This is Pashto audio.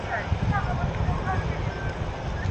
شین طوطي کیسې د ټوکو جوړولې.!